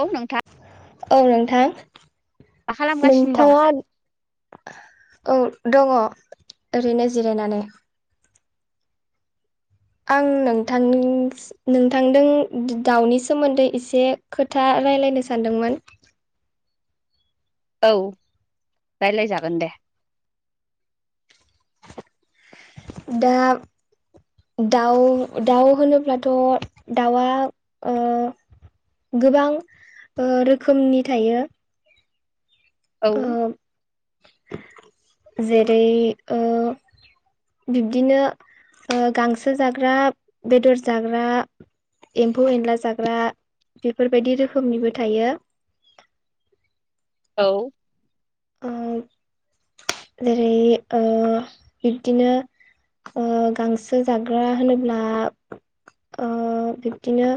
औ नोंथां। औ नोंथां मा खालामगासिनो दं नोंथाङा औ दङ ओरैनो जिरायनानै। आं नोंथां नोंथांदों दाउनि सोमोन्दै एसे खोथा रायज्लायनो सानदोंमोन। औ रायज्लाय जागोन दे। दा दाउ दाउ होनोब्लाथ' दाउआ ओ गोबां ओ रोखोमनि थायो। औ ओ जेरै ओ बिब्दिनो गांसो जाग्रा बेदर जाग्रा एम्फौ एनला जाग्रा बेफोरबायदि रोखोमनिबो थायो। औ ओ जेरै ओ बिब्दिनो ओ गांसो जाग्रा होनोब्ला ओ बिब्दिनो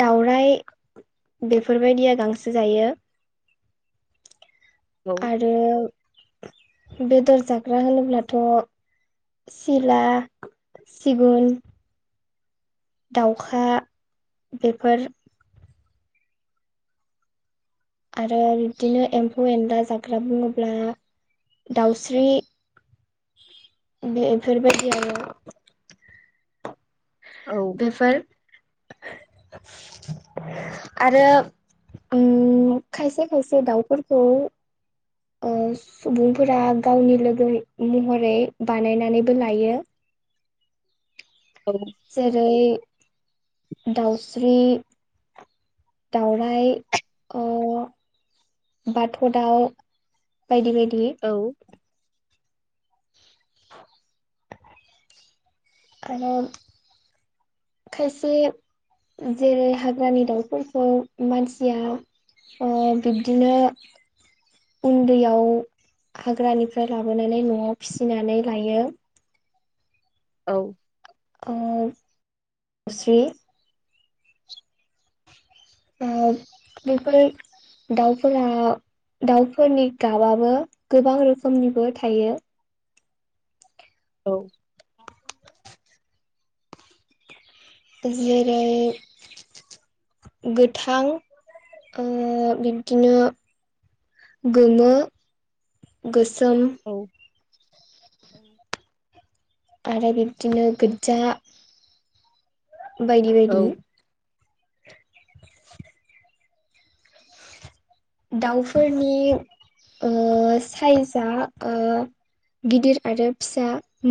दाउराइ बेफोर बायदिया गांसो जायो। औ आरो बेदर जाग्रा होनोब्लाथ' सिला, सिगुन दाउखा बेफोर आरो बिदिनो एम्फौ एनला जाग ग्रा बुङोब्ला दाउस्रि बेफोर बायदियानो औ बेफोर आरो उम खायसे खायसे दाउफोरखौ ओ सुबुंफोरा गावनि लोगो महरै बानायनानैबो लायो। औ जेरै दाउस्रि, दावराय अ बाथ' दाउ बायदि बायदि। औ [inaudible] आरो खायसे जेरै हाग्रानि दाउफोरखौ मानसिया बिब्दिनो उन्दैयाव हाग्रानिफ्राय लाबोनानै न'आव फिसिनानै लायो। औ ओब [unintelligible] ओब बेफोर दाउफोरा दाउफोरनि गाबआबो गोबां रोखोमनिबो थायो। औ जेरै गोथां बिब्दिनो गोमो गोसोम। औ आरो बिब्दिनो गोदजा बायदि बायदि औ । [inaudible] दाउफोरनि साइजआ गिदिर आरो फिसा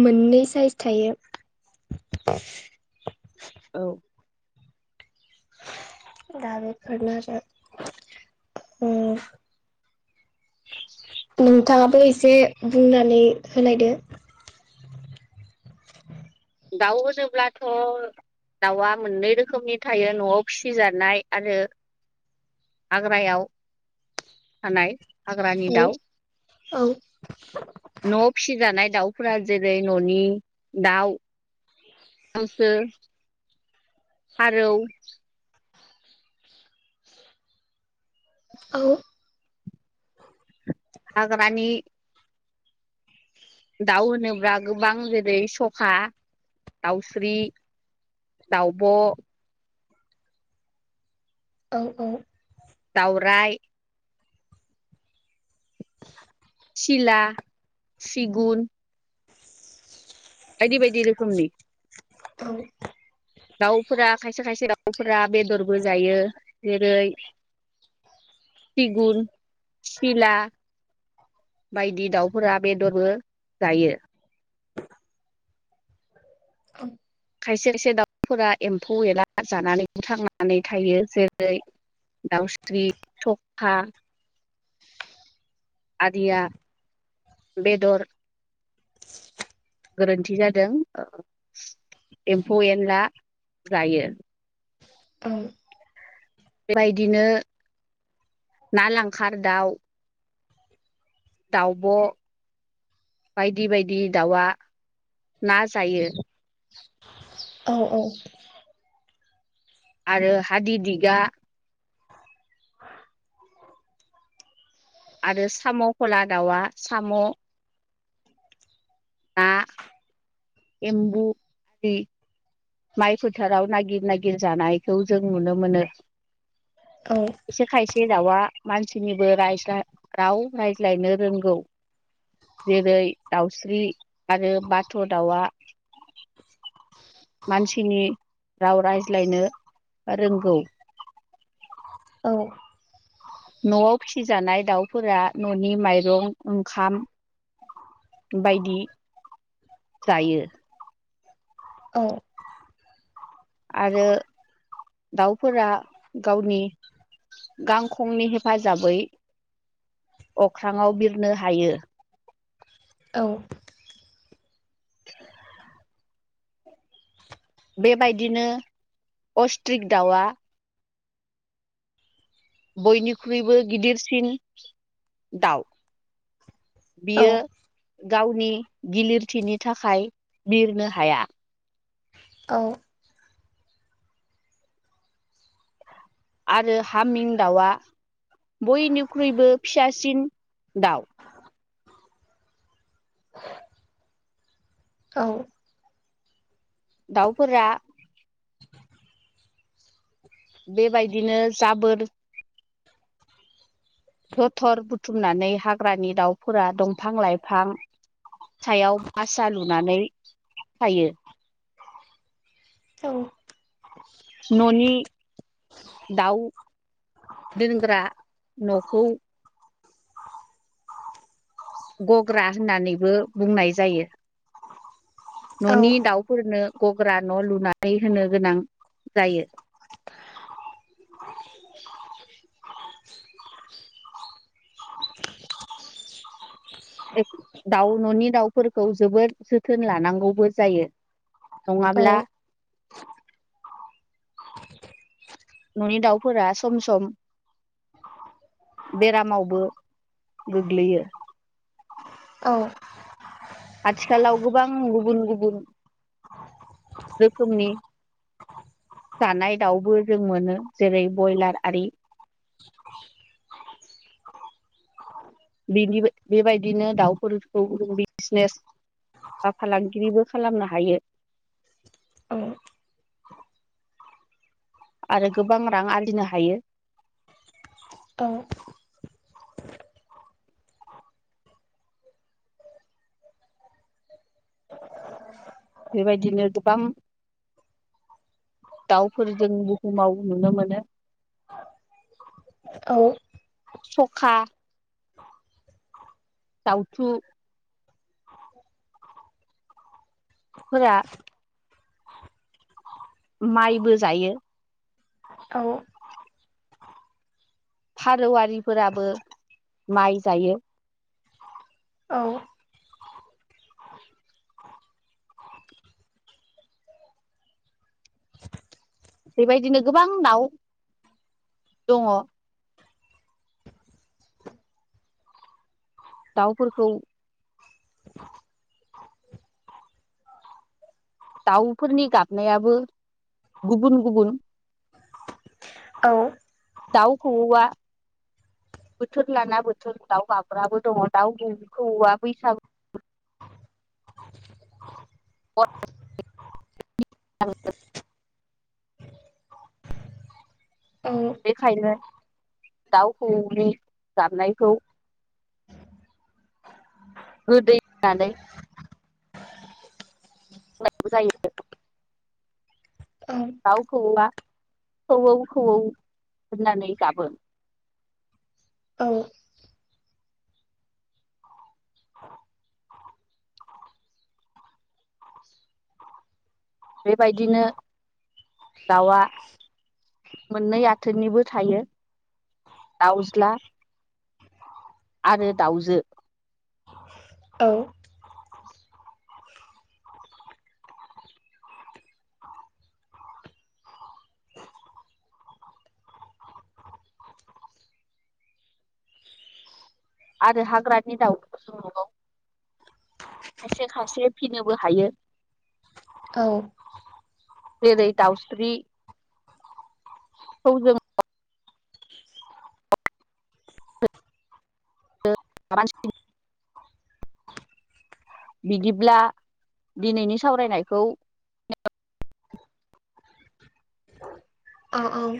मोननै साइस थायो। [inaudible] औ दाबोफोरनो आरो उम नोंथाङाबो एसे बुंनानै होनायदो। दाउ होनोब्लाथ' दाउआ मोननै रोखोमनि थायो न'आव फिसिजानाय आरो हाग्रायाव थानाय। हाग्रानि औ दाउ औ न' फिसिजानाय दाउ। फोरा जेरै न'नि दाउ हांसो, फारौ। औ हाग्रानि दाउ होनोब्ला गोबां जेरै सखा, दाउस्रि। दावउब' औ औ दावराय सिला, सिगुन बायदि बायदि रोखोमनि। औ दाउफोरा खायसे खायसे दाउफोरा बेदरबो जायो जेरै सिगुन, सिला बायदि दाउफोरा बेदरबो जायो। [inaudible] [unintelligible] खायसे खायसे दाउफोरा एम्फौ एनला जानानै बो थांनानै थायो जेरै दाउस्रि, सखा आदिया बेदर गोरोन्थि जादों एम्फौ एनला जायो। औ बेबायदिनो ना लांखार दाउ दाउब' बायदि बायदि दाउआ ना जायो औ औ आरो हादि दिगा आरो साम'खौला दाउआ साम' ना [inaudible] एम्बु माइ फोथाराव नागिर नागिर जानायखौ जों नुनो मोनो औ एसे खायसे दाउआ मानसिनिबो रायज्ला राव रायज्लायनो रोंगौ जेरै दाउस्रि आरो बाथ' दाउआ मानसिनि राव रायज्लायनो ओ रोंगौ औ न'आव फिसिजानाय दाउफोरा न'नि माइरं ओंखाम बायदि जायो औ आरो दाउफोरा गावनि गांखंनि हेफा जाबै अख्राङाव बिरनो हायो औ बेबायदिनो अस्ट्रिक दाउआ बयनिख्रुइबो गिदिरसिन दाउ बियो गावनि गिलिरथिनि थाखाय बिरनो हाया औ आरो हामिं दाउआ बयनिख्रुइबो फिसासिन दाउ औ दाउफोरा बेबायदिनो जाबोर जथर बुथुमनानै हाग्रानि दाउफोरा दंफां लाइफां सायाव बासा लुनानै थायो औ न'नि दाउ दोनग्रा न'खौ गग्रा होननानैबो बुंनाय जायो औ न'नि दाउफोरनो गग्रा न' लुनानै होनो गोनां जायो [inaudible] दाउ न'नि दाउफोरखौ जोबोद जोथोन लानांगौबो जायो नङाब्ला न'नि दाउफोरा सम सम बेरामावबो गोग्लैयो अ आथिखालाव गोबां गुबुन गुबुन रोखोमनि जानाय दाउबो जों मोनो जेरै बयलार आरि [inaudible] बिनिबो बेबायदिनो दाउफोरखौ बिजनेस बा फालांगिरिबो खालामनो हायो अ आरो गोबां रां आरजिनो हायो अ बेबायदिनो गोबां दाउफोर जों बुहुमाव नुनो मोनो। औ। सखा दाउथु फोरा माइबो जायो। औ। फारौविफोराबो माइ जायो। औ। बेबायदिनो गोबां दाव दङ। दाउफोरखौ दाउफोरनि गाबनायाबो गुबुन गुबुन। औ। दाव खौवौ आ। बोथोर लाना बोथोर दाउ गाबग्राबो दङ दाउखौवा बैसागु [unintelligible] बेखायनो दाव खौवौनि गाबनायखौ गोदै होननानै बुंनांगौ जायो। दाव खौवौआ खौवौ खौवौ होननानै गाबो। औ। बेबायदिनो दाउआ मोननै आथोननिबो थायो। दाउज्ला आरो दाउजो। औ। आरो हाग्रानि दावबो दङ। खायसे खायसे फिसिनोबो हायो। औ। जेरै दाउस्रिखौ जों। [unintelligible] बिदिब्ला दिनैनि सावरायनायखौ औ औ।